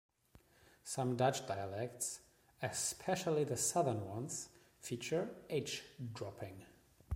Some Dutch dialects, especially the southern ones, feature H-dropping.